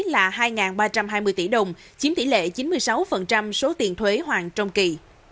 là hai ba trăm hai mươi tỷ đồng chiếm tỷ lệ chín mươi sáu số tiền thuế hoàn trong kỳ